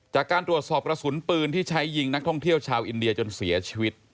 จากการตรวจสอบกระสุนปืนที่ใช้ยิงนักท่องเที่ยวชาวอินเดียจนเสียชีวิต